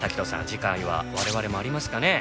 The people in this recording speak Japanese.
次回は我々もありますかね？